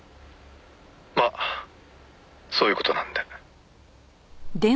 「まあそういう事なんで」